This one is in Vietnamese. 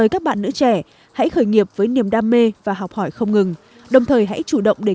còn nếu trong trường hợp người phụ nữ